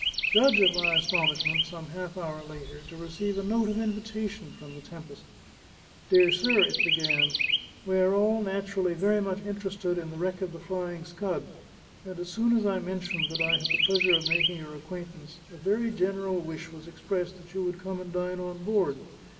Judge of my astonishment, some half hour later, to receive a note of invitation from the Tempest. "Dear Sir," it began, "we are all naturally very much interested in the wreck of the Flying Scud, and as soon as I mentioned that I had the pleasure of making your acquaintance, a very general wish was expressed that you would come and dine on board.